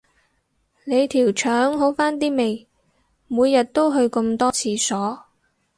你條腸好返啲未，每日都去咁多廁所